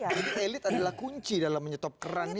jadi elit adalah kunci dalam menyetop keran ini